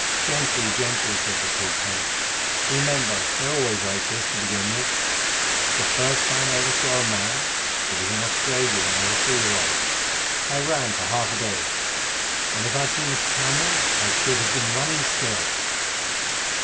"Gently, gently!" said the troop horse. "Remember they are always like this to begin with. The first time I ever saw a man (it was in Australia when I was a three year old) I ran for half a day, and if I'd seen a camel, I should have been running still."